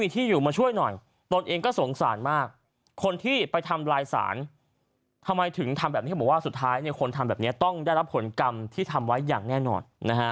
ทำไว้อย่างแน่นอน